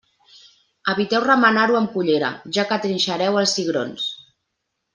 Eviteu remenar-ho amb cullera, ja que trinxareu els cigrons.